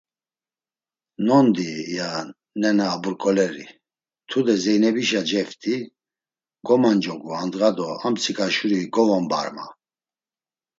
“Nondi!” ya nena aburǩoleri; “Tude Zeynebişa ceft̆i, gomancogu andğa do amtsika şuri govombar, ma…”